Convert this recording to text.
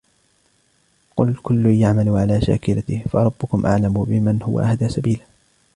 قُلْ كُلٌّ يَعْمَلُ عَلَى شَاكِلَتِهِ فَرَبُّكُمْ أَعْلَمُ بِمَنْ هُوَ أَهْدَى سَبِيلًا